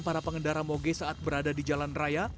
para pengendara moge saat berada di jalan raya